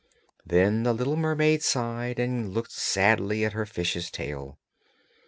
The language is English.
Then the little mermaid sighed and looked sadly at her fish's tail.